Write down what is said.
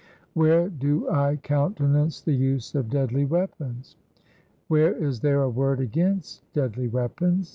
"Where do I countenance the use of deadly weapons?" "Where is there a word against deadly weapons?"